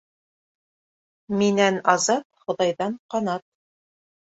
Минән азат, Хоҙайҙан ҡанат.